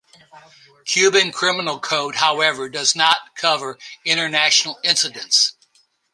Cuban Criminal Code however does not cover international incidents.